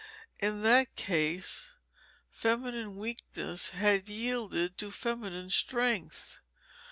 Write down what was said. In that case, feminine weakness had yielded to feminine strength.